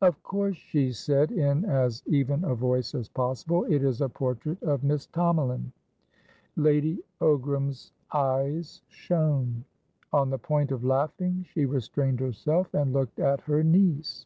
"Of course," she said, in as even a voice as possible, "it is a portrait of Miss Tomalin." Lady Ogram's eyes shone; on the point of laughing, she restrained herself, and looked at her niece.